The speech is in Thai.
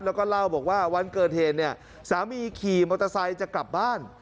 แล้วก็เล่าบอกว่าวันเกิดเหตุเนี่ยสามีขี่มอเตอร์ไซค์จะกลับบ้าน